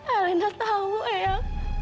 alena tahu eyang